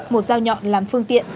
một dao nhọn làm xe